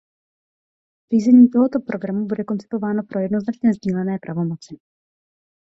Řízení tohoto programu bude koncipováno pro jednoznačně sdílené pravomoci.